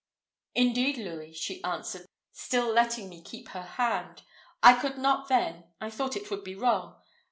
"Indeed, Louis," she answered, still letting me keep her hand, "I could not then I thought it would be wrong.